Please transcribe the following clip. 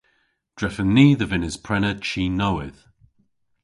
Drefen ni dhe vynnes prena chi nowydh.